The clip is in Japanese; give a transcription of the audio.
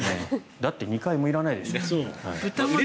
だって２階もいらないでしょ。